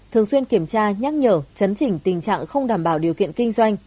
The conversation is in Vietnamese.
thường xuyên kiểm tra nhắc nhở chấn chỉnh tình trạng không đảm bảo điều kiện kinh doanh